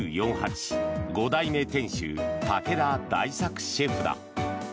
代目店主、竹田大作シェフだ。